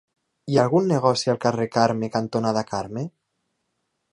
Hi ha algun negoci al carrer Carme cantonada Carme?